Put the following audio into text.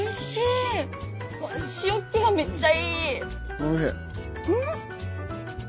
おいしい。